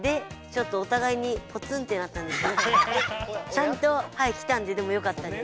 ちゃんと来たんででもよかったです。